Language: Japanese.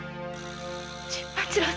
陣八郎様。